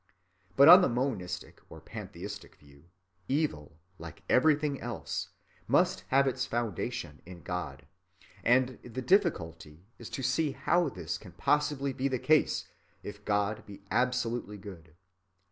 But on the monistic or pantheistic view, evil, like everything else, must have its foundation in God; and the difficulty is to see how this can possibly be the case if God be absolutely good.